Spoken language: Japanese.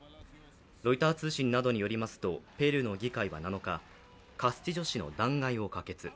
ロイター通信などによりますとペルーの議会は７日、カスティジョ氏の弾劾を可決。